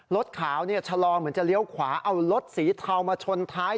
รถขาวชะลอเหมือนจะเลี้ยวขวาเอารถสีเทามาชนท้าย